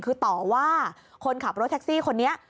คือต่อว่าคนขับรถแท็กซี่คนนี้